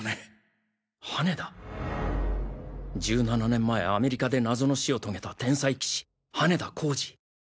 １７年前アメリカで謎の死を遂げた天才棋士羽田浩司！